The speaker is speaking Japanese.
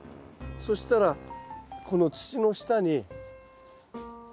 そしたらこの土の下に。